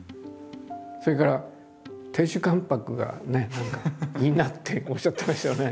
それから亭主関白がいいなっておっしゃってましたよね。